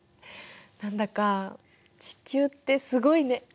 何だか地球ってすごいね。